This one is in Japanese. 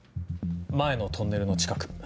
前のトンネルの近く。